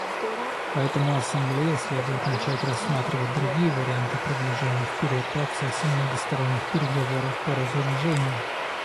Поэтому Ассамблее следует начать рассматривать другие варианты продвижения вперед процесса многосторонних переговоров по разоружению.